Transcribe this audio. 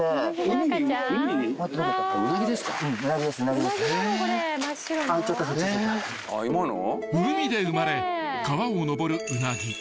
［海で生まれ川を上るウナギ］